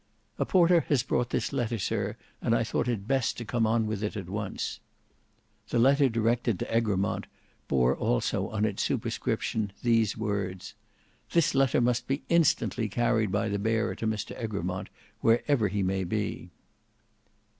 "A porter has brought this letter, sir, and I thought it best to come on with it at once." The letter directed to Egremont, bore also on its superscription these words. "This letter must be instantly carried by the bearer to Mr Egremont wherever he may be."